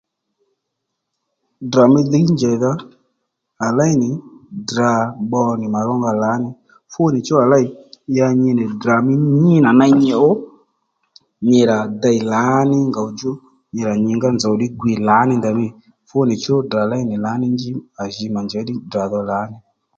Ddrà mí dhǐy njèydha à léy nì Ddrà pbo nì mà rónga lǎní fúnì chú rà léy ya nyi nì Ddrà mí nyi nà ney nyi ò nyi rà dey lǎní ngòw djú nyi rà nyǐngá nzów ddí ngwiy lǎní ndèymî fúnìchú Ddrà léy nì lǎní njí à jì mà njěy ddí Ddrà dho lǎní